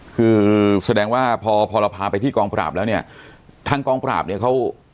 คือแสดงว่าพอพอเราพาไปที่กองปราบแล้วเนี่ยทางกองปราบเนี่ยเขา